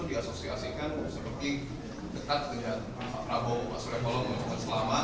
perusahaan politik itu mulai mencairkan